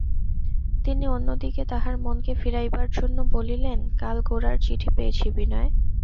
তিনি অন্য দিকে তাহার মনকে ফিরাইবার জন্য বলিলেন, কাল গোরার চিঠি পেয়েছি বিনয়।